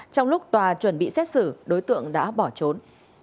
trong lúc tòa chuẩn bị xét xử đối tượng đã bỏ trốn